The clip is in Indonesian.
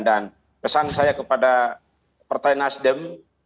dan pesan saya kepada partai nasdem